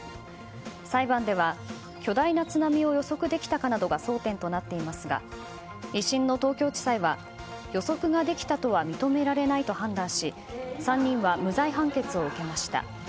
裁判では巨大な津波を予測できたかなどが争点となっていますが１審の東京地裁は予測ができたとは認められないと判断し３人は無罪判決を受けました。